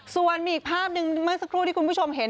ส่วนมีอีกภาพหนึ่งเมื่อสักครู่ที่คุณผู้ชมเห็น